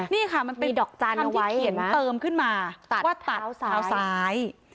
นี่ค่ะมันเป็นคำที่เขียนเติมขึ้นมาว่าตัดขาวซ้าย